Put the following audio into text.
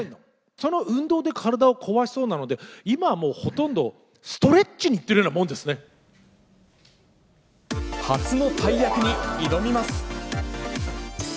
その運動で体を壊しそうなので、今はもうほとんど、ストレッチに初の大役に挑みます。